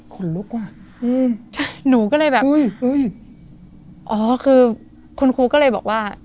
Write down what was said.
คนลุกว่ะอืมใช่หนูก็เลยแบบอุ้ยเฮ้ยอ๋อคือคุณครูก็เลยบอกว่า